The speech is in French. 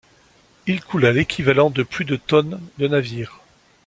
Il coula l'équivalent de plus de tonnes de navires.